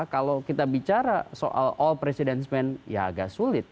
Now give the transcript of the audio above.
kalau kita bicara soal all president men ya agak sulit